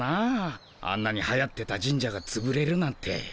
あんなにはやってた神社がつぶれるなんて。